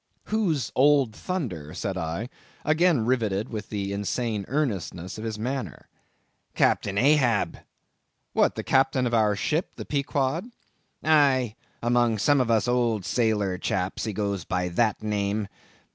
"Who's Old Thunder?" said I, again riveted with the insane earnestness of his manner. "Captain Ahab." "What! the captain of our ship, the Pequod?" "Aye, among some of us old sailor chaps, he goes by that name.